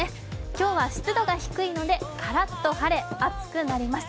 今日は湿度が低いので、カラッと晴れ暑くなります。